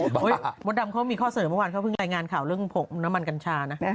มดดำเขามีข้อเสริมเมื่อวานเขาเพิ่งรายงานข่าวเรื่องน้ำมันกัญชานะ